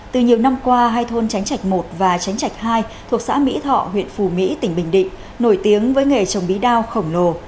từ nhiều năm qua hai thôn tránh trạch một và chánh trạch hai thuộc xã mỹ thọ huyện phù mỹ tỉnh bình định nổi tiếng với nghề trồng bí đao khổng lồ